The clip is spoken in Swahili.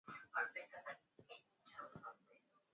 mikakati iliyowekwa na uingereza katika kufikia maendeleo endelevu